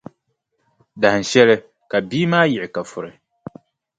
Dahinshɛli, ka bia maa yiɣi ka furi.